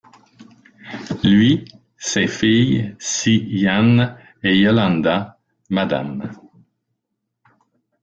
Lui, ses filles Si-lan et Yolanda, Mme.